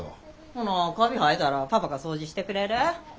ほなカビ生えたらパパが掃除してくれる？